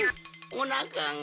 おなかが。